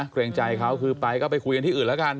เกรงใจเขาคือไปก็ไปคุยกันที่อื่นแล้วกัน